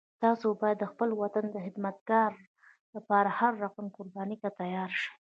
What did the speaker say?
تاسو باید د خپل وطن د خدمت لپاره هر رقم قربانی ته تیار شئ